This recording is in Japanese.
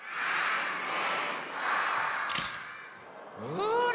ほら！